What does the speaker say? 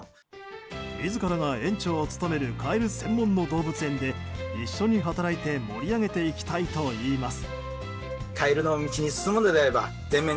自らが園長を務めるカエル専門の動物園で一緒に働いて盛り上げていきたいといいます。